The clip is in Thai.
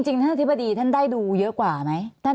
ท่านอธิบดีท่านได้ดูเยอะกว่าไหม